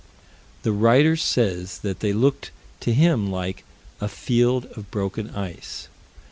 The writer says that they looked to him like "a field of broken ice."